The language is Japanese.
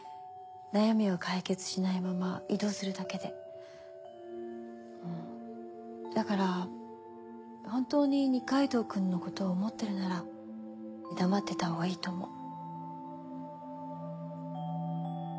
悩みは解決しないまま移動するだけでうんだから本当に二階堂君のことを思ってるなら黙ってたほうがいいと思う